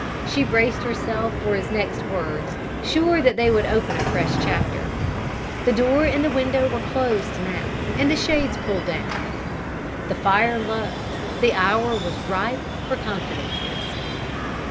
She braced herself for his next words, sure that they would open a fresh chapter. The door and the window were closed now, the shades pulled down, the fire low; the hour was ripe for confidences.